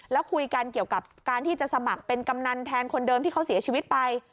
แล้วคุยกันเกี่ยวกับการที่จะสมัครเป็นกำนันแทนคนเดิมที่เขาเสียชีวิตไป